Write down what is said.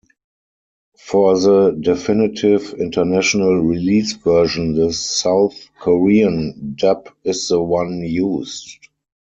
For the definitive international release version, the South Korean dub is the one used.